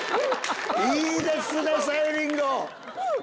いいですねさゆりんご！